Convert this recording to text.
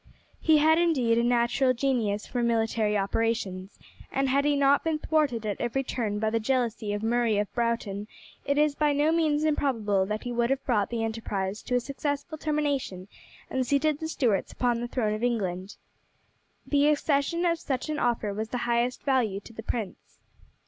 He had, indeed, a natural genius for military operations, and had he not been thwarted at every turn by the jealousy of Murray of Broughton, it is by no means improbable that he would have brought the enterprise to a successful termination and seated the Stuarts upon the throne of England. The accession of such an officer was of the highest value to the prince.